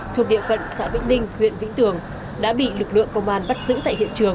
thuộc địa phận xã vĩnh ninh huyện vĩnh tường đã bị lực lượng công an bắt giữ tại hiện trường